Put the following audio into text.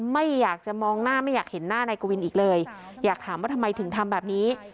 ไม่อยากจะมองหน้าไม่อยากเห็นหน้านายกวินอีกเลยอยากถามว่าทำไมถึงทำแบบนี้